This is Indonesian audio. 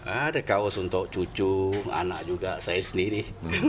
ada kaos untuk cucu anak juga saya sendiri